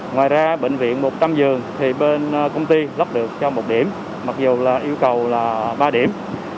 ngoài ra bệnh viện một trăm linh giường thì bên công ty lắp được cho một điểm mặc dù là yêu cầu là ba điểm